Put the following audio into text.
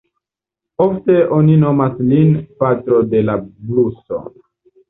Ofte oni nomas lin „patro de la bluso"“.